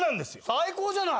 最高じゃない。